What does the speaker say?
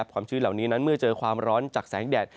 ชื้นเหล่านี้นั้นเมื่อเจอความร้อนจากแสงแดด